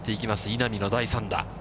稲見の第３打。